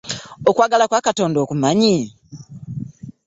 Okwagala kwa Katonda okumanyi?